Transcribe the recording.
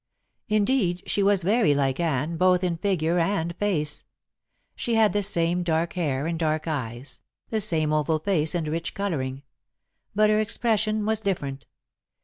Indeed, she was very like Anne, both in figure and face. She had the same dark hair and dark eyes, the same oval face and rich coloring. But her expression was different.